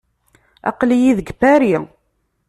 Aql-iyi deg Paris.